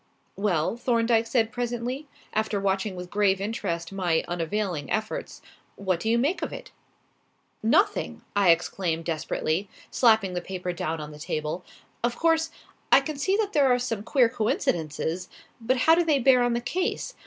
"Well?" Thorndyke said presently, after watching with grave interest my unavailing efforts; "what do you make of it?" "Nothing!" I exclaimed desperately, slapping the paper down on the table. "Of course, I can see that there are some queer coincidences. But how do they bear on the case?